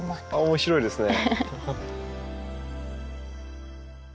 面白いですね。